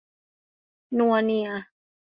นัวเนีย